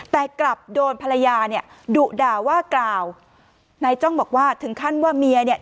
แต่กลับโดนภรรยาเนี่ยดุด่าว่ากล่าวนายจ้องบอกว่าถึงขั้นว่าเมียเนี่ย